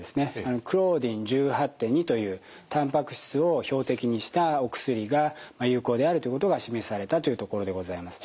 クローディン１８．２というたんぱく質を標的にしたお薬が有効であるということが示されたというところでございます。